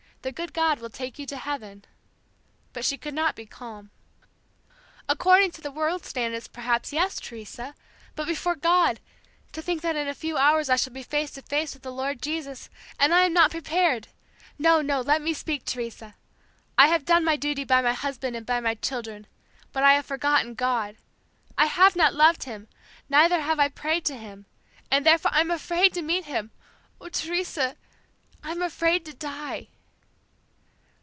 The good God will take you to heaven.' But she could not be calm. "'According to the world's standard perhaps yes, Teresa but before God! To think that in a few hours I shall be face to face with the Lord Jesus and I am not prepared! No, no, let me speak, Teresa! I have done my duty by my husband and by my children, but I have forgotten God. I have not loved Him, neither have I prayed to Him and therefore I'm afraid to meet Him. Oh, Teresa, I'm afraid to die."